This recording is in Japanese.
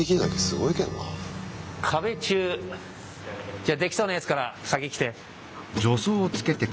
じゃあできそうなやつから先来て。